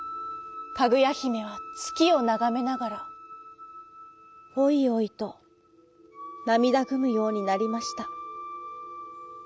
かぐやひめはつきをながめながらおいおいとなみだぐむようになりました。